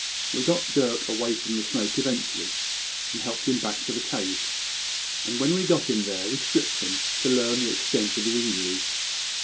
"We got Dirk away from the snake eventually, and helped him back to the cave; and when we got him there we stripped him, to learn the extent of his injuries.